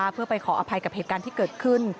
เพื่อไปขออภัยกับเหตุการณ์ที่เกิดขึ้น